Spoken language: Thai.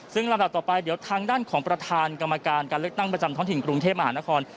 ซึ่งลำดับต่อไปเดี๋ยวทางด้านของประธานกรรมการการเลือกตั้งประจำท้องถิ่นกรุงเทพมหานคร